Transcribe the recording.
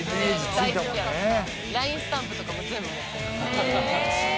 ＬＩＮＥスタンプとかも全部持ってる。